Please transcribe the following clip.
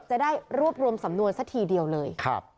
จะได้รวบรวมสำนวนสักทีเดียวเลย